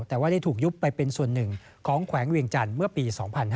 แต่ว่าได้ถูกยุบไปเป็นส่วนหนึ่งของแขวงเวียงจันทร์เมื่อปี๒๕๕๙